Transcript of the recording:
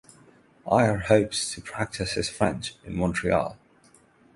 Ayer hopes to practice his French in Montreal.